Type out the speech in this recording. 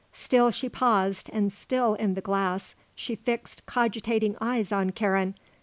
Still she paused and still, in the glass, she fixed cogitating eyes on Karen.